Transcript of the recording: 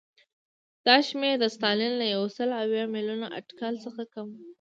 دا شمېر د ستالین له یو سل اویا میلیونه اټکل څخه کم و